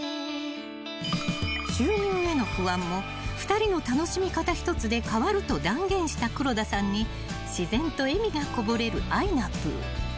［収入への不安も２人の楽しみ方一つで変わると断言した黒田さんに自然と笑みがこぼれるあいなぷぅ］